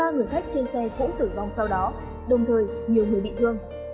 ba người khách trên xe cũng tử vong sau đó đồng thời nhiều người bị thương